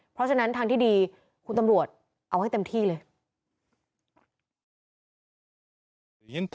เพราะฉะนั้นทางที่ดีคุณตำรวจเอาให้เต็มที่เลย